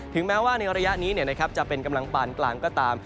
แม้ว่าในระยะนี้จะเป็นกำลังปานกลางก็ตาม